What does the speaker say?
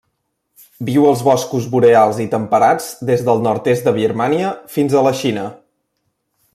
Viu als boscos boreals i temperats des del nord-est de Birmània fins a la Xina.